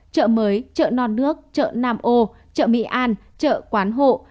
chợ mới chợ non nước chợ nam ô chợ mỹ an chợ quán hộ